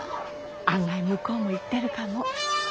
案外向こうも言ってるかも。